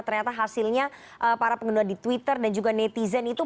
ternyata hasilnya para pengguna di twitter dan juga netizen itu